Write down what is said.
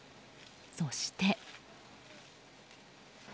そして。